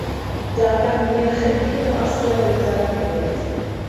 Darganfu ychydig o asteroidau hefyd.